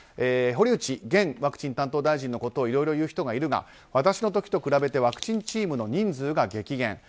堀内現ワクチン担当大臣のことをいろいろ言う人がいるが私の時と比べてワクチンチームの人数が激減。